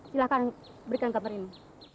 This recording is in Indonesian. silahkan berikan gambar ini